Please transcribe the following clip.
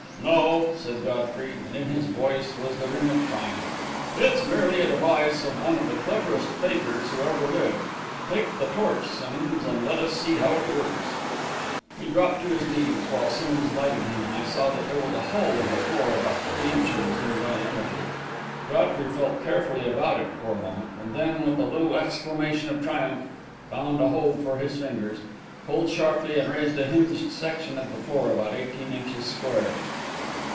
"No," said Godfrey, and in his voice was the ring of triumph. "It's merely a device of one of the cleverest fakirs who ever lived. Take the torch, Simmonds, and let us see how it works." He dropped to his knees, while Simmonds lighted him, and I saw that there was a hole in the floor about three inches in diameter. Godfrey felt carefully about it for a moment, and then, with a little exclamation of triumph, found a hold for his fingers, pulled sharply, and raised a hinged section of the floor, about eighteen inches square.